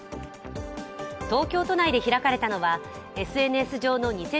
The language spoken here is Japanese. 東京都内で開かれたのはＳＮＳ上のにせ